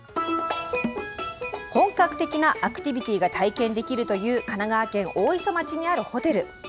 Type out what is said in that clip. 本格的なアクティビティが体験できるという神奈川県大磯町にあるホテル。